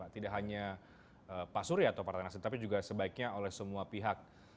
tidak hanya pak surya atau partai nasdem tapi juga sebaiknya oleh semua pihak